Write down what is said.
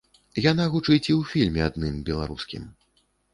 Яна гучыць і ў фільме адным беларускім.